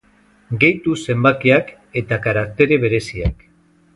Gehitu zenbakiak eta karaktere bereziak.